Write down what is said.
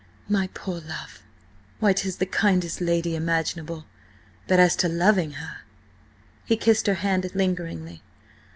"My poor love! Why, 'tis the kindest lady imaginable, but as to loving her—!" He kissed her hand lingeringly.